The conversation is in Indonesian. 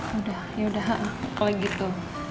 yaudah kalau gitu